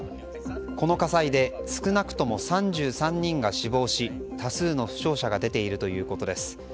この火災で少なくとも３３人が死亡し多数の負傷者が出ているということです。